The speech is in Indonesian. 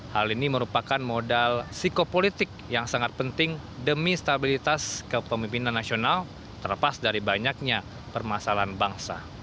hal ini merupakan modal psikopolitik yang sangat penting demi stabilitas kepemimpinan nasional terlepas dari banyaknya permasalahan bangsa